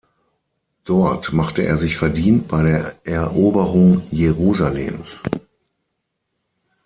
Dort machte er sich verdient bei der Eroberung Jerusalems.